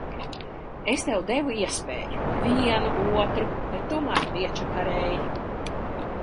Es tev devu iespēju, vienu, otru, bet tu mani piečakarēji!